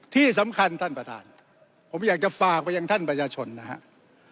ที่สำคัญท่านประธานผมอยากจะฝากไปยังท่านประชาชนนะครับ